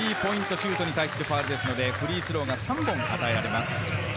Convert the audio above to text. シュートに対するファウルですので、フリースローが３本与えられます。